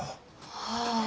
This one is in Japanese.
はあ。